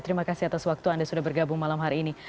terima kasih atas waktu anda sudah bergabung malam hari ini